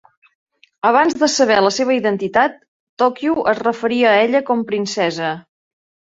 Abans de saber la seva identitat, Tokio es referia a ella com "Princesa".